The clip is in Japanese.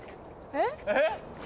えっ？